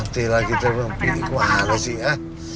nanti lagi terpengpilih kuala sih ya